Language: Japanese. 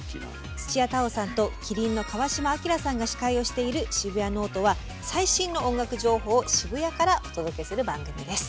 土屋太鳳さんと麒麟の川島明さんが司会をしている「シブヤノオト」は最新の音楽情報を渋谷からお届けする番組です。